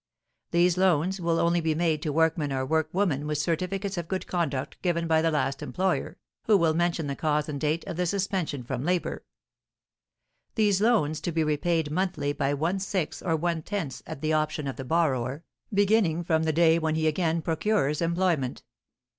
These loans will only be made to workmen or workwomen with certificates of good conduct given by the last employer, who will mention the cause and date of the suspension from labour. These loans to be repaid monthly by one sixths' or one tenths', at the option of the borrower, beginning from the day when he again procures employment.